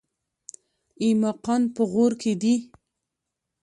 ایماقان په غور کې دي؟